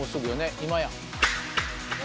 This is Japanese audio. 今や！